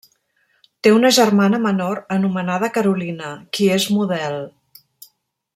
Té una germana menor anomenada Carolina, qui és model.